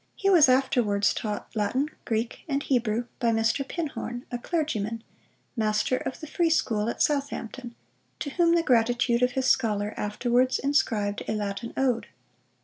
He was afterwards taught Latin, Greek, and Hebrew, by Mr. Pinhorne, a clergyman, master of the freeschool at Southampton, to whom the gratitude of his scholar afterwards inscribed a Latin ode.